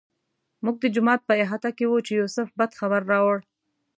موږ د جومات په احاطه کې وو چې یوسف بد خبر راوړ.